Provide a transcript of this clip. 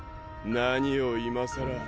何を今更。